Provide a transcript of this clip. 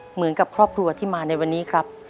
เหมือนกับครอบครัวที่มาในวันนี้ครับ